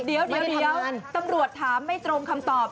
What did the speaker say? เดี๋ยวตำรวจถามไม่ตรงคำตอบ